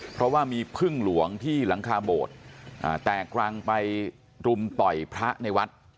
เพราะว่ามีพึ่งหลวงที่หลังคาโบสถ์แตกรังไปรุมต่อยพระในวัด